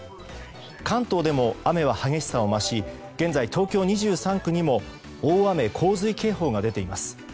関東でも雨は激しさを増し現在、東京２３区にも大雨・洪水警報が出ています。